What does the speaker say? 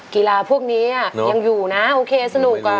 กีฬาพวกนี้ยังอยู่นะโอเคสนุก